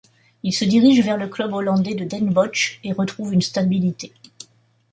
Il se dirige vers le club hollandais de Den Bosch et retrouve une stabilité.